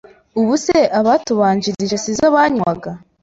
ubuse abatubanjirije sizo banywaga